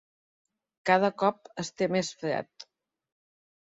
Cada cop es té més fred.